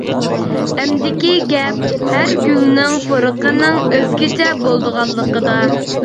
ئەمدىكى گەپ، ھەر گۈلنىڭ پۇرىقىنىڭ ئۆزگىچە بولىدىغانلىقىدا.